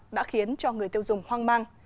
đã khiến cho người tiêu dùng hoang mang